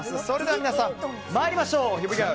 それでは皆さん、参りましょう。